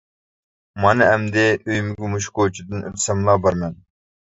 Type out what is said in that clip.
مانا ئەمدى ئۆيۈمگە مۇشۇ كوچىدىن ئۆتسەملا بارىمەن.